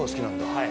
はい。